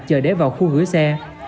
chờ để vào khu hứa xe